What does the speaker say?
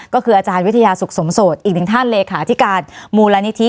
ก็คืออาจารย์วิทยาสุขสมโสดอีกหนึ่งท่านเลขาธิการมูลนิธิ